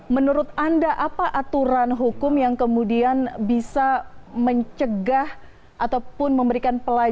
menurut anda apa aturan hukum yang kemudian bisa mencegah ataupun memberikan pelayanan